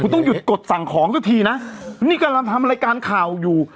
ต้องหยุดกดสั่งของสักทีนะนี่กำลังทำรายการข่าวอยู่